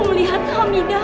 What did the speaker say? yaudah aku bakal kesini pujuk